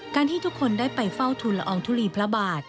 ที่ทุกคนได้ไปเฝ้าทุนละอองทุลีพระบาท